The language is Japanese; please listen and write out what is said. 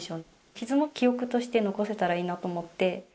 傷も記憶として残せたらいいなと思って。